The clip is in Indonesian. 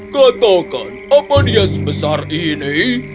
katakan apa dia sebesar ini